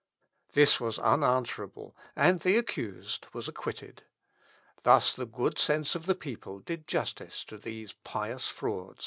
This was unanswerable, and the accused was acquitted. Thus the good sense of the people did justice to these pious frauds.